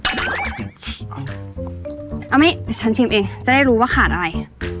เอาไม่ฉันชิมเองจะได้รู้ว่าขาดอะไร